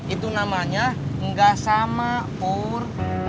itu namanya enggak sama or